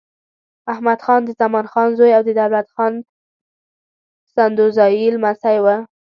احمدخان د زمان خان زوی او د دولت خان سدوزايي لمسی و.